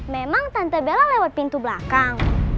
memang tante bella lewat pintu belakang